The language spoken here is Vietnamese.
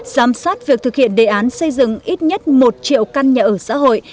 giám sát việc thực hiện đề án xây dựng ít nhất một triệu căn nhà ở xã hội